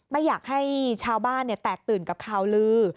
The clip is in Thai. ไม่อยากให้ชาวบ้านแตกตื่นกับข่าวลือ